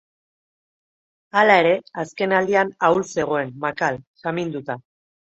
Halere, azkenaldian ahul zegoen, makal, saminduta.